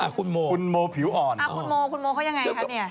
อะคุณโมเค้ายังไงคะ